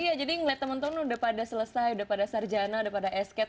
iya jadi ngeliat temen temen udah pada selesai udah pada sarjana udah pada esket